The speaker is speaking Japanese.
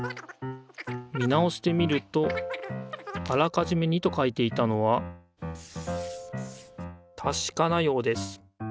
見直してみるとあらかじめ「２」と書いていたのはたしかなようです。